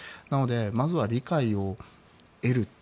なので、まずは理解を得る。